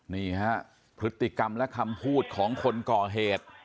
นี่ฮะพฤติกรรมและคำพูดของคนก่อเหตุ